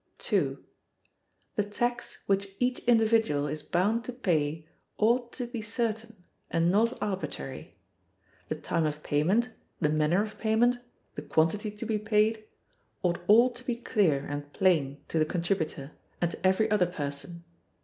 "2. The tax which each individual is bound to pay ought to be certain, and not arbitrary. The time of payment, the manner of payment, the quantity to be paid, ought all to be clear and plain to the contributor, and to every other person.